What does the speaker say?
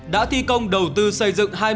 đã thi công đầu tư xây dựng